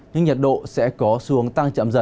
nhưng nhiệt độ sẽ có xuống tăng chậm dần